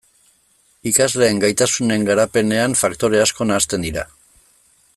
Ikasleen gaitasunen garapenean faktore asko nahasten dira.